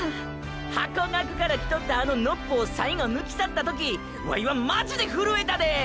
ハコガクから来とったあのノッポを最後抜き去った時ワイはマジでふるえたで！！